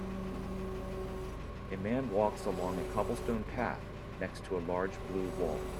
A man walks along a cobblestone path, next to a large blue wall.